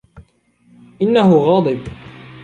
إنه غاضب.